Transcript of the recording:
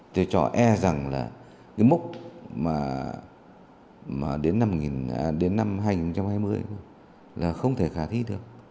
tôi cho e rằng là cái mốc mà đến năm hai nghìn hai mươi là không thể khả thi được